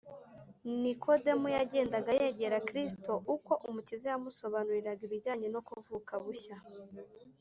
Nikodemo yagendaga yegera Kristo. Uko Umukiza yamusobanuriraga ibijyanye no kuvuka bushya